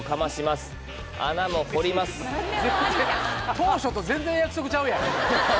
当初と全然約束ちゃうやん。